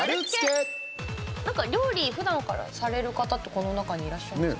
料理ふだんからされる方ってこの中にいらっしゃいますか。